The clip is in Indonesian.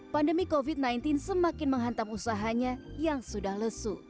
pandemi covid sembilan belas semakin menghantam usahanya yang sudah lesu